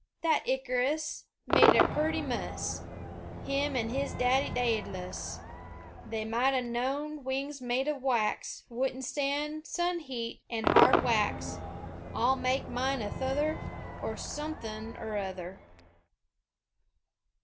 "That Icarus Made a perty muss — Him an' his daddy Daedalus They might 'a' knowed wings made o' wax Wouldn't stand sun heat an' hard whacks. I'll make mine o' luther, Or suthin' ur other."